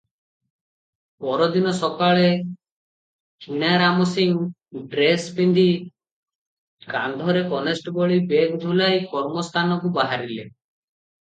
ପରଦିନ ସକାଳେ କିଣାରାମ ସିଂ ଡ୍ରେସ ପିନ୍ଧି କାନ୍ଧରେ କନେଷ୍ଟବଳି ବେଗ୍ ଝୁଲାଇ କର୍ମସ୍ଥାନକୁ ବାହାରିଲେ ।